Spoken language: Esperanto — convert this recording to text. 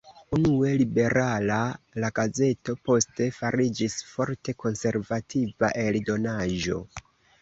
Unue liberala, la gazeto poste fariĝis forte konservativa eldonaĵo.